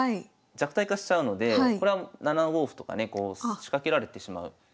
弱体化しちゃうのでこれは７五歩とかね仕掛けられてしまうかもしれません。